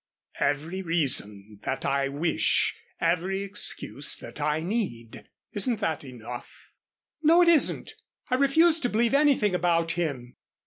"Every reason that I wish every excuse that I need. Isn't that enough?" "No, it isn't I refuse to believe anything about him."